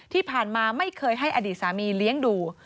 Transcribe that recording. ที่ผ่านมาไม่เคยให้อดีตสามีเลี้ยงดู